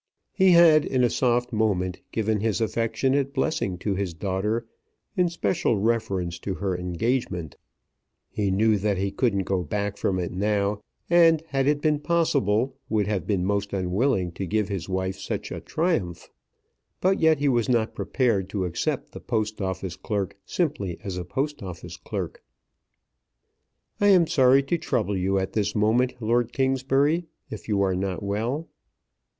He had in a soft moment given his affectionate blessing to his daughter in special reference to her engagement. He knew that he couldn't go back from it now, and had it been possible, would have been most unwilling to give his wife such a triumph. But yet he was not prepared to accept the Post Office clerk simply as a Post Office clerk. "I am sorry to trouble you at this moment, Lord Kingsbury, if you are not well."